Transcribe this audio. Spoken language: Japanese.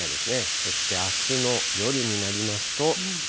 そしてあすの夜になりますと。